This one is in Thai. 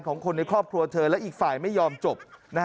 ของคนในครอบครัวเธอและอีกฝ่ายไม่ยอมจบ